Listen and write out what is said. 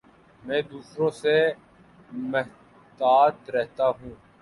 میں دوسروں سے محتاط رہتا ہوں